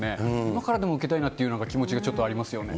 今からでも受けたいなというような気持ちがちょっとありますよね。